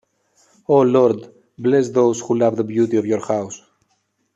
O Lord, bless those who love the beauty of your house.